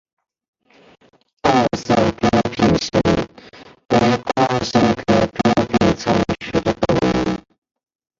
二色桌片参为瓜参科桌片参属的动物。